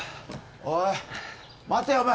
おい待てよお前